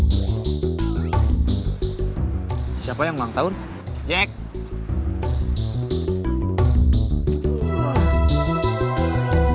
jadi kita jalan saja hari ini